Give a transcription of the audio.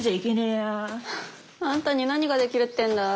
はああんたに何ができるってんだい？